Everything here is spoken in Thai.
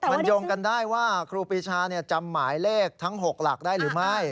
มันโยงกันได้ว่าครูปีชาจำหมายเลขทั้ง๖หลักได้หรือไม่